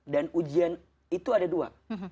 dan ujian itu ada dua